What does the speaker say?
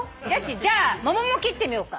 じゃあ桃も切ってみようか。